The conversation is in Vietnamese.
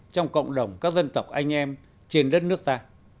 trong cộng đồng các dân tộc anh em trên đất nước ta